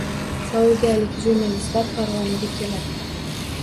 Saudiyalik jurnalistlar Fargʻonaga keladi